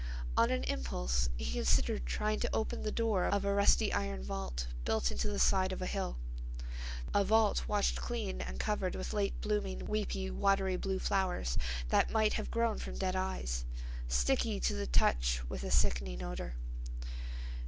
On an impulse he considered trying to open the door of a rusty iron vault built into the side of a hill; a vault washed clean and covered with late blooming, weepy watery blue flowers that might have grown from dead eyes, sticky to the touch with a sickening odor.